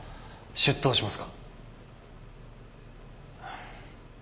出頭しますか？